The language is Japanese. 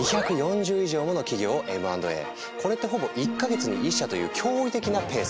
これまでにこれってほぼ１か月に１社という驚異的なペース！